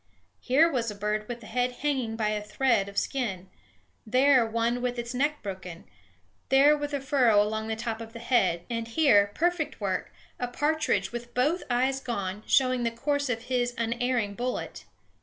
Here was a bird with the head hanging by a thread of skin; there one with its neck broken; there a furrow along the top of the head; and here perfect work! a partridge with both eyes gone, showing the course of his unerring bullet.